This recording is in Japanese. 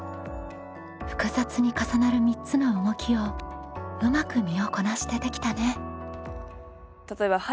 複雑に重なる３つの動きをうまく身をこなしてできたね。